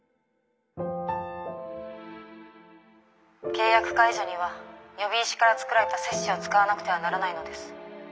契約解除には喚姫石から作られた鑷子を使わなくてはならないのです。